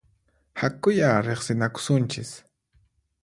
Hakuyá riqsinakusunchis!